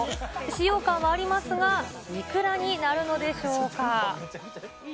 使用感はありますが、いくらになるのでしょうか。